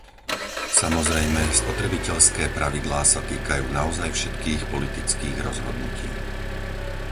Samozrejme, spotrebiteľské pravidlá sa týkajú naozaj všetkých politických rozhodnutí.